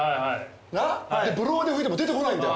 ブロワーで吹いても出てこないんだよ。